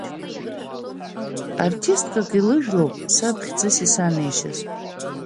Артисткак илыжәлоуп саб хьӡыс исанеишьаз.